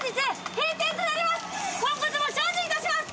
８紊箸精進いたします